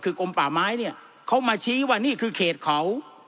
คือกลมป่าไม้เนี่ยเขามาชี้ว่านี่คือเขตเขา